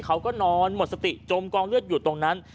เขาก็นอนหมดสติจมกองเลือดอยู่ตรงนั้น